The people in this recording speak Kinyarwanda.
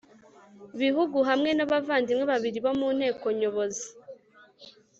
Bihugu hamwe n abavandimwe babiri bo mu nteko nyobozi